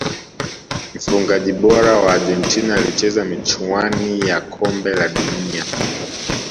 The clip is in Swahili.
mfungaji bora wa argentina alicheza michuani ya kombe la dunia